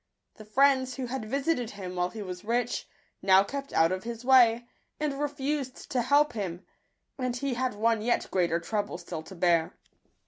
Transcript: The friends, who had visited him while he was rich, now kept out of his way, and re fused to help him ; and he had one yet greater trouble still to bear.